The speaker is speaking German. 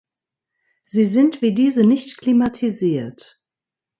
Sie sind wie diese nicht klimatisiert.